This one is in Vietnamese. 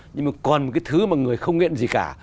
nhưng mà còn một cái thứ mà người không nghiện gì cả